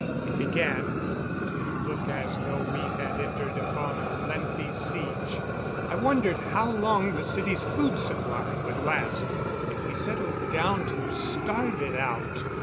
It began, to look as though we had entered upon a lengthy siege. I wondered how long the city's food supply would last if we settled down to starve it out.